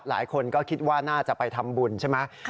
หลายคนก็คิดว่าน่าจะไปทำบุญใช่ไหม